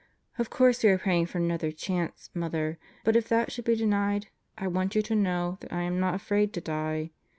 "Of course we are praying for another chance, Mother; but if that should be denied, I want you to know that I am not afraid to die.